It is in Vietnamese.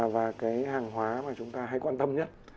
và cái hàng hóa mà chúng ta hay quan tâm nhất